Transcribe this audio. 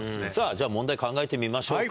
じゃあ問題考えてみましょうか。